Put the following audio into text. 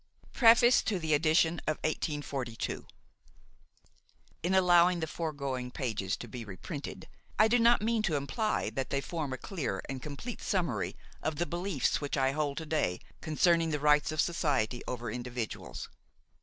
PREFACE TO THE EDITION OF 1842 In allowing the foregoing pages to be reprinted, I do not mean to imply that they form a clear and complete summary of the beliefs which I hold to day concerning the rights of society over individuals.